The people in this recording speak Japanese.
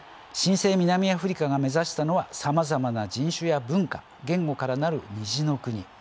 新生南アフリカが目指したのはさまざまな人種や文化言語からなる「虹の国」。